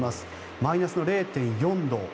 マイナスの０．４度。